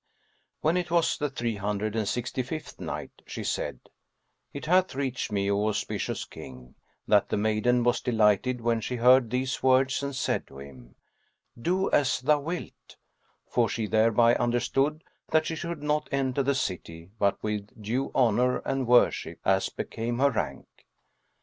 When it was the Three Hundred and Sixty fifth Night, She said, It hath reached me, O auspicious King, that the maiden was delighted when she heard these words and said to him, "Do as thou wilt;" for she thereby understood that she should not enter the city but with due honour and worship, as became her rank.